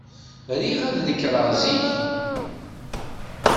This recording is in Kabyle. Riɣ ad nekreɣ zik.